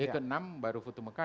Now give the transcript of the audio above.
ke enam baru foto mekah